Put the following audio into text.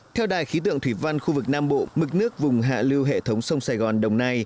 theo đài khí tượng thủy văn khu vực nam bộ mực nước vùng hạ lưu hệ thống sông sài gòn đồng nai